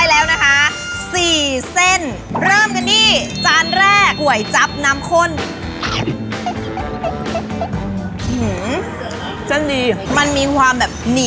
แล้วหลังจากที่ใส่แป้งแล้วเราคนก่อนก็ได้ก็หยุดไม่ได้